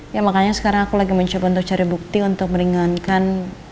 ya makanya sekarang aku lagi mencoba untuk cari bukti untuk meringankan